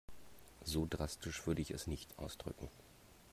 So drastisch würde ich es nicht ausdrücken.